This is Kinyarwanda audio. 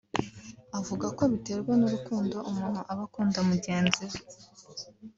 uvuga ko biterwa n’urukundo umuntu aba akunda mugenzi we